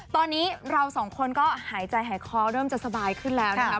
ตอนนี้เราสองคนก็หายใจหายคอเริ่มจะสบายขึ้นแล้วนะครับ